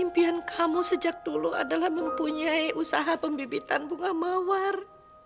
impian kamu sejak dulu adalah mempunyai usaha pembibitan bunga mawar